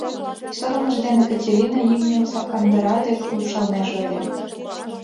Сырымыж дене Катерина имньым сапкандыра дек лупшалнеже ыле.